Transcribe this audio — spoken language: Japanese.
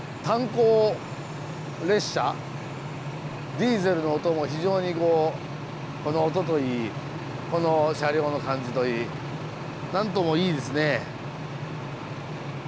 ディーゼルの音も非常にこうこの音といいこの車両の感じといい何ともいいですね。